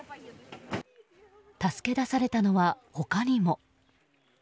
助け出されたのは、他にも。